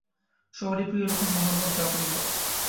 সবারই প্রিয় লেখক মুহম্মদ জাফর ইকবাল।